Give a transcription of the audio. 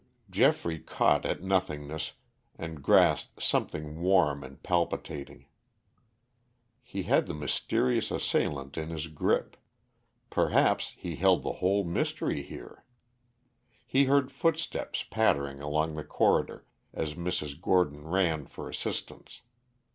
Geoffrey caught at nothingness and grasped something warm and palpitating. He had the mysterious assailant in his grip; perhaps he held the whole mystery here. He heard footsteps pattering along the corridor as Mrs. Gordon ran for assistance.